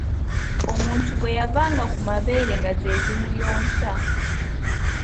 Omuntu bwe yavanga ku mabeere nga ze zimuyonsa